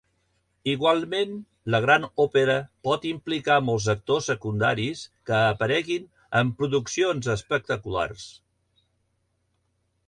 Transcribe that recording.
Igualment, la gran òpera pot implicar molts actors secundaris que apareguin en produccions espectaculars.